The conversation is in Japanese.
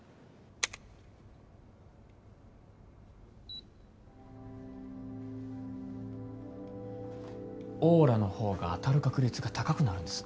ピッオーラのほうが当たる確率が高くなるんです。